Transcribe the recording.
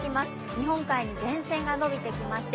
日本海に前線が延びていきまして